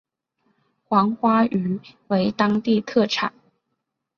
黄花鱼为当地特产。